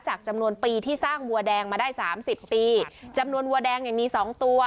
จำนวนปีที่สร้างวัวแดงมาได้สามสิบปีจำนวนวัวแดงเนี่ยมีสองตัว